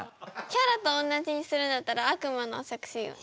キャラと同じにするんだったらあくまの着信音。